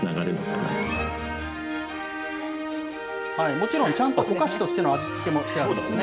もちろん、ちゃんとお菓子としての味付けもしてあるんですね。